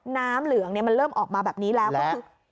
น้ำเหลืองมันเริ่มออกมาแบบนี้แล้วก็คือ